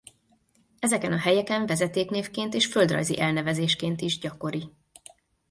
Ezeken a helyeken vezetéknévként és földrajzi elnevezésként is gyakori.